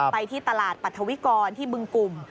ไปที่ตลาดปรัฐวิกรที่บึงกลุ่ม